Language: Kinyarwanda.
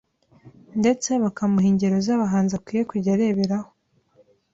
ndetse bakamuha ingero z’abahanzi akwiye kujya arebereraho.